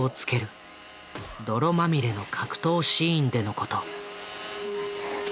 泥まみれの格闘シーンでのこと。